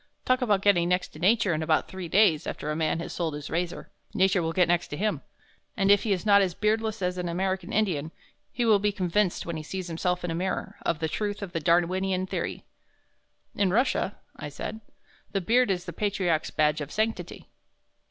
Talk about getting next to Nature in about three days after a man has sold his razor, Nature will get next to him, and if he is not as beardless as an American Indian, he will be convinced when he sees himself in a mirror, of the truth of the Darwinian theory." "In Russia," I said, "the beard is the patriarch's badge of sanctity."